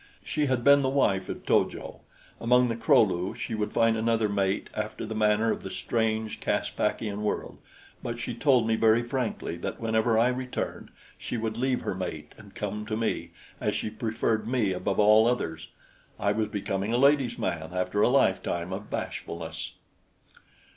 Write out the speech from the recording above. She had been the wife of To jo. Among the Kro lu she would find another mate after the manner of the strange Caspakian world; but she told me very frankly that whenever I returned, she would leave her mate and come to me, as she preferred me above all others. I was becoming a ladies' man after a lifetime of bashfulness!